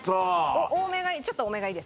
ちょっと多めがいいですか？